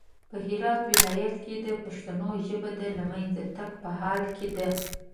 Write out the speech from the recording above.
په هرات ولايت کې د پښتنو ژبه د لمېنځه تګ په حال کې ده